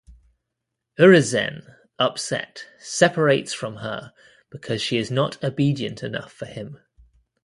Urizen, upset, separates from her because she is not obedient enough for him.